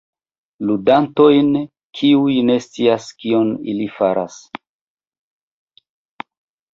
Ludantojn, kiuj ne scias kion ili faras...